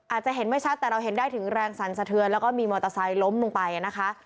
อาจจะเห็นไม่ชัดแต่เราเห็นได้ถึงแรงสั่นสะเทือนแล้วก็มีมอเตอร์ไซค์ล้มลงไปนะคะ